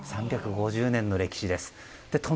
３５０年の歴史です。